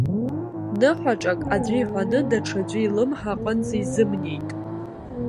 Ныҳәаҿак аӡәы иҳәаны даҽаӡәы илымҳа аҟынӡа изымнеит.